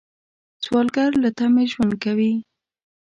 سوالګر له تمې ژوند کوي